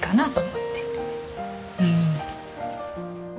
うん。